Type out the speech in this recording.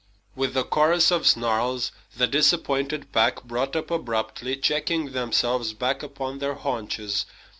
With a chorus of snarls, the disappointed pack brought up abruptly, checking themselves back upon their haunches.